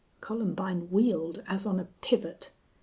Columbine wheeled as on a pivot.